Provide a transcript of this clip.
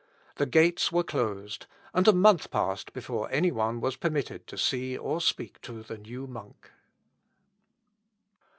The gates were closed, and a month passed before any one was permitted to see or speak to the new monk.